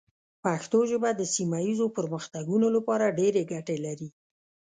پښتو ژبه د سیمه ایزو پرمختګونو لپاره ډېرې ګټې لري.